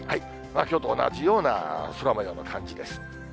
きょうと同じような空もようの感じです。